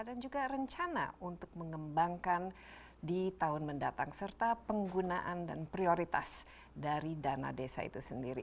dan juga rencana untuk mengembangkan di tahun mendatang serta penggunaan dan prioritas dari dana desa itu sendiri